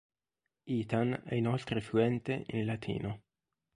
Ethan è inoltre fluente in latino.